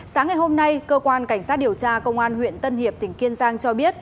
sáng ngày hôm nay cơ quan cảnh sát điều tra công an huyện tân hiệp tỉnh kiên giang cho biết